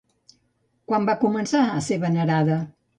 Quan va començar a ser venerada?